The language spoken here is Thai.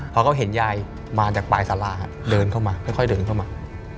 พอเขาเห็นยายมาจากปลายสาราเดินเข้ามาค่อยเดินเข้ามา